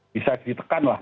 bisa ditekan lah